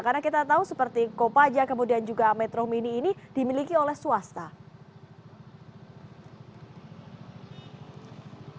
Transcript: karena kita tahu seperti copaja kemudian juga metro mini ini dimiliki oleh swasta